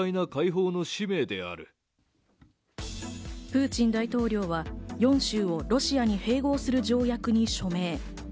プーチン大統領は４州をロシアに併合する条約に署名。